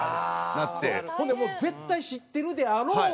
ほんでもう絶対知ってるであろう。